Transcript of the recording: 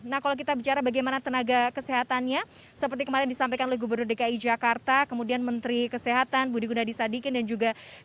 nah kalau kita bicara bagaimana tenaga kesehatannya seperti kemarin disampaikan oleh gubernur dki jakarta kemudian menteri kesehatan budi gunadisadikin dan juga